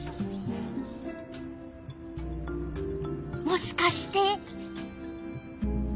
もしかして？